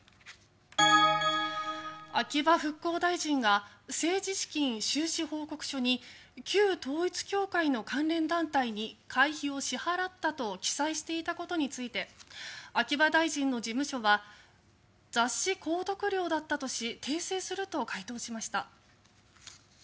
秋葉復興大臣が政治資金収支報告書に旧統一教会の関連団体に会費を支払ったと記載していたことについて秋葉大臣の事務所は雑誌購読料だったとし訂正すると回答しました。